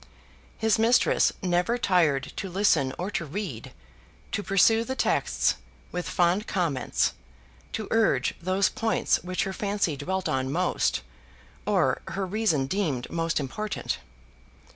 His mistress never tired to listen or to read, to pursue the texts with fond comments, to urge those points which her fancy dwelt on most, or her reason deemed most important.